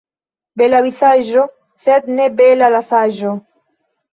Bela vizaĝo, sed ne bela la saĝo.